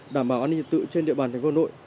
đảm bảo an ninh trật tự trên địa bàn thành phố hà nội